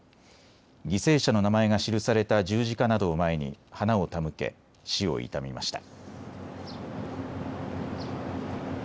犠牲者の名前が記された十字架などを前に花を手向け死を悼みました。